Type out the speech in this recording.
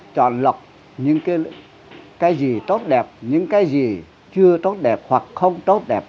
chọn lọc những cái gì tốt đẹp những cái gì chưa tốt đẹp hoặc không tốt đẹp